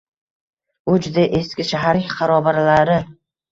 U juda eski shahar xarobalari…